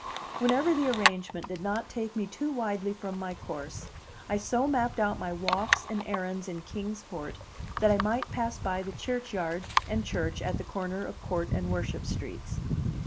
Whenever the arrangement did not take me too widely from my course, I so mapped out my walks and errands in Kings Port that I might pass by the churchyard and church at the corner of Court and Worship streets.